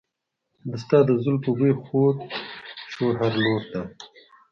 د ستا د زلفو بوی خور شو هر لور ته.